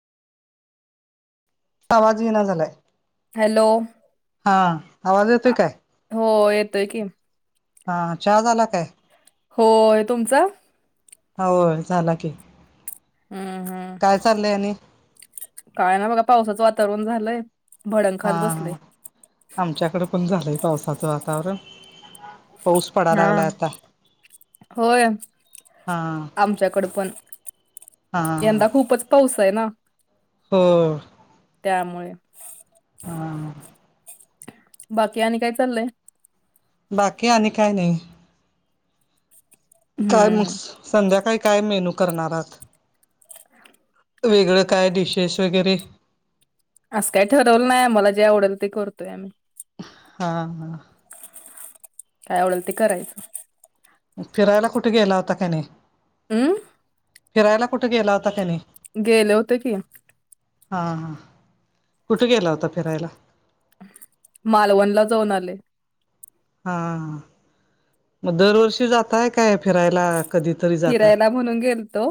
आवाज ई ना झालाय. हॅलो. हां आवाज येतोय आ- काय? हो येतोय की हा चहा झाला काय? होय तुमचा? होय झाला की. हम्म हम्म, काय चाललंय आणि? काय नाय बघा पावसाचं वातावरण झालंय. भडंग खात हां हां, बसलय आमच्याकडे पण झालंय पावसाचं वातावरण. पाऊस पडा हा लागलाय आता. होय, हा आमच्याकडं पण, हा यंदा खूपच पाऊस आहे ना. हं. त्यामुळे. हा. बाकी आणि काय चाललंय. बाकी आणि काय नाही. काय हम्म मग हम्म संध्याकाळी काय मेनू करणारात. वेगळं काय डिशेस वगैरे... असं काही ठरवलं नाही. आम्हाला जे आवडेल ते करतोय आम्ही हां हां. काय आवडेल ते करायचं. फिरायला कुठे गेला होता काय नाही. हम्म फिरायला कुठे गेला होता का नाही. गेले होते की हा हां कुठे गेला? होता फिरायला. मालवणला जाऊन आले. हां मग दरवर्षी जाताय काय? फिरायला कधीतरी जाता फिरायला म्हणून गेलतो